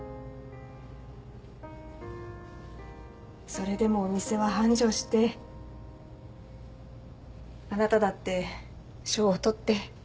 それでもお店は繁盛してあなただって賞を取って。